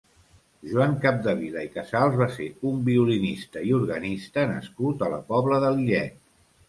Joan Capdevila i Casals va ser un violinista i organista nascut a la Pobla de Lillet.